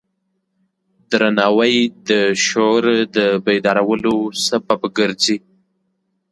درناوی د شعور د بیدارولو سبب ګرځي.